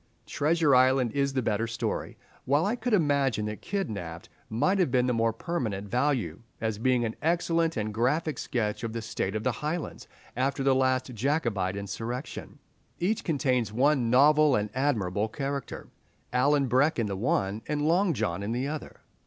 "Treasure Island" is the better story, while I could imagine that "Kidnapped" might have the more permanent value as being an excellent and graphic sketch of the state of the Highlands after the last Jacobite insurrection. Each contains one novel and admirable character, Alan Breck in the one, and Long John in the other.